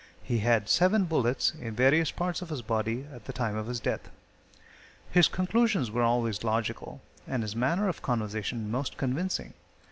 He had seven bullets in various parts of his body at the time of his death. His conclusions were always logical, and his manner of conversation most convincing.